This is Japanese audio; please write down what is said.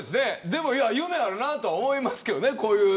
でも、夢あるなとは思いますが。